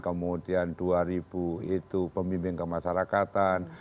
kemudian dua ribu itu pemimpin kemasyarakatan